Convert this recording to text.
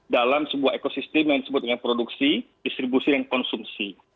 dalam sebuah ekosistem yang disebut dengan produksi distribusi dan konsumsi